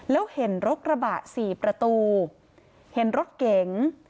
แล้วเห็นรถกระบะสี่ประตูเห็นรถเก๋ง